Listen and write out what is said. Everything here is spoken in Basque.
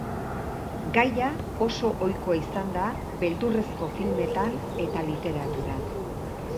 Gaia oso ohikoa izan da beldurrezko filmetan eta literaturan.